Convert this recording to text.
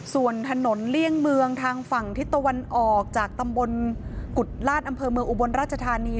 ส่วนถนนเลี่ยงเมืองทางฝั่งทิศตะวันออกจากตำบลกุฎราชอำเภอเมืองอุบลราชธานี